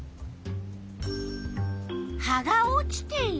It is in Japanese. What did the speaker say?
葉が落ちている。